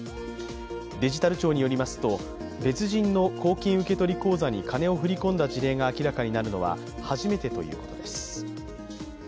デジタル庁によりますと別人の公金受取口座に金を振り込んだ事例が明らかになるのは初めてということです。